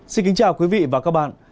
xin kính chào quý vị và các bạn